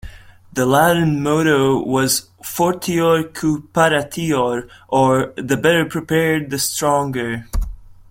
The Latin motto was "Fortior quo paratior" or "The better prepared, the stronger".